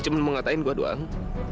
cuman mengatain gue doang